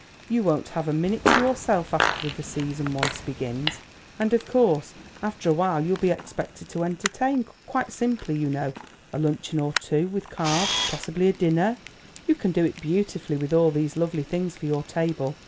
You won't have a minute to yourself after the season once begins, and of course after a while you'll be expected to entertain quite simply, you know, a luncheon or two, with cards; possibly a dinner; you can do it beautifully with all these lovely things for your table.